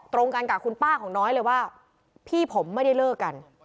ตรงกันกับคุณป้าของน้อยเลยว่าพี่ผมไม่ได้เลิกกัน